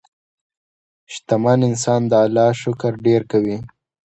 شتمن انسان د الله شکر ډېر کوي.